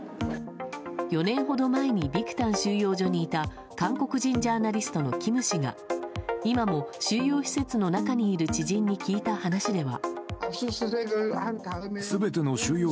４年ほど前にビクタン収容所にいた韓国人ジャーナリストのキム氏が今も収容施設の中にいる知人に聞いた話では。